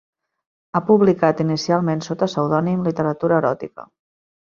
Ha publicat, inicialment sota pseudònim, literatura eròtica.